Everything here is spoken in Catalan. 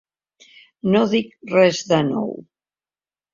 No dic res de nou.